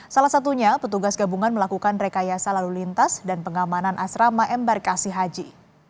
salah satunya petugas gabungan melakukan rekayasa lalu lintas dan pengamanan asrama embarkasi haji